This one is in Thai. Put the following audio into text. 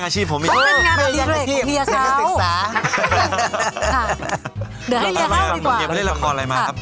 เฉย